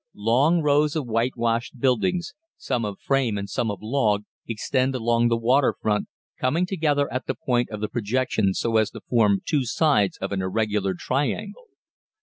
Long rows of whitewashed buildings, some of frame and some of log, extend along the water front, coming together at the point of the projection so as to form two sides of an irregular triangle.